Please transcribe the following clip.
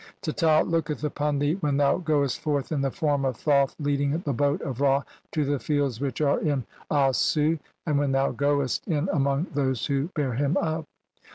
Teta looketh 'upon thee when thou goest forth in the form of 'Thoth leading the boat of Ra to the fields which 'are in Aasu, and when thou goest in among those 'who bear him up."